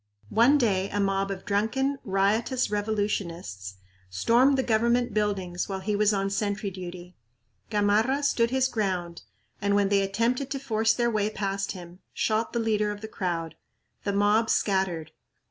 One day a mob of drunken, riotous revolutionists stormed the government buildings while he was on sentry duty. Gamarra stood his ground and, when they attempted to force their way past him, shot the leader of the crowd. The mob scattered.